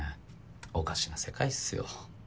おかしな世界っすよ。